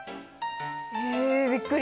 えびっくり！